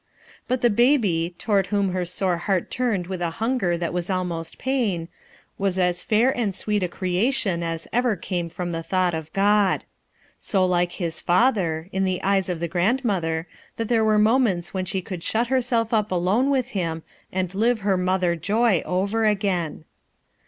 But the baby, toward whom her sore heart turned with a hunger that was almost pain, was as fair and sweet a creation as ever came from the thought of God, So like his father— in the eyes of the grandmother, that there were mo ments when she could shut herself up alone with him aud live her mother joy over again.